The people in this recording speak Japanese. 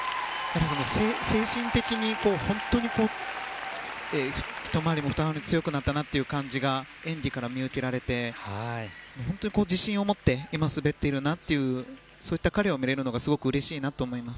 精神的に本当にひと回りもふた回りも強くなったなという感じが演技から見受けられて本当に自信を持って今、滑っているなというそういった彼を見られるのがうれしいなと思います。